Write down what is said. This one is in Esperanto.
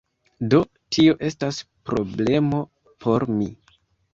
Do, tio estas problemo por mi